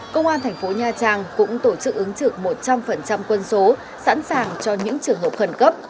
công an thành phố nha trang cũng tổ chức ứng trực một trăm linh quân số sẵn sàng cho những trường hợp khẩn cấp